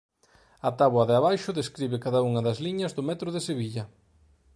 A táboa de abaixo describe cada unha das liñas do Metro de Sevilla.